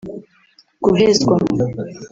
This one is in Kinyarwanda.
guhezwa